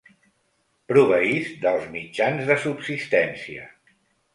Proveís dels mitjans de subsistència.